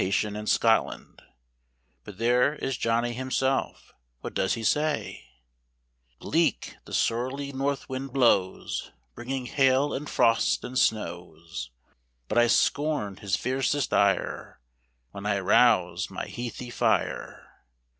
9 lion in Scotland. But there is Johnny himself; what does he say ?•/ Bleak the surly north wind blows. 4 // Bringing hail, and frost, and snows; But I scorn his fiercest ire, When I rouse my heathy fire.